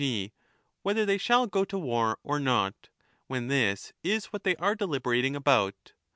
g. whether they shall go to war or not, when this is what they are deliberating about.